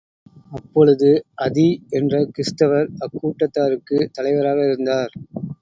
அப்பொழுது அதீ என்ற கிறிஸ்தவர் அக்கூட்டத்தாருக்குத் தலைவராக இருந்தார்.